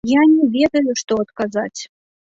Я не ведаю, што адказаць.